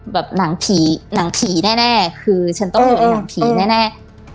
แบบหนังผีหนังผีแน่แน่คือฉันต้องอยู่ในหนังผีแน่แน่อืม